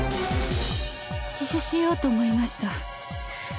自首しようと思いました。